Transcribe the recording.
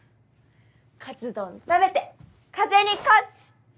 かつ丼食べて風邪に勝つ！